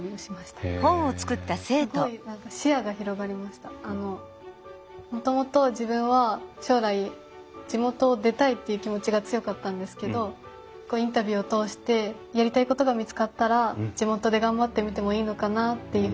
すごいあのもともと自分は将来地元を出たいっていう気持ちが強かったんですけどインタビューを通してやりたいことが見つかったら地元で頑張ってみてもいいのかなっていうふうに。